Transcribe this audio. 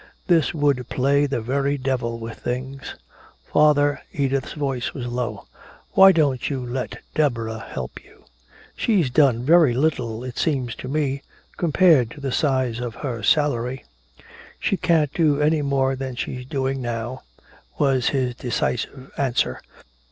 This would play the very devil with things! "Father." Edith's voice was low. "Why don't you let Deborah help you? She does very little, it seems to me compared to the size of her salary." "She can't do any more than she's doing now," was his decisive answer.